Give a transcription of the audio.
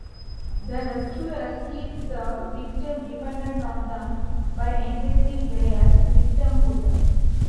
The rescuer keeps the victim dependent on them by encouraging their victimhood.